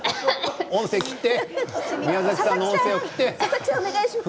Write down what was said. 音声も切って。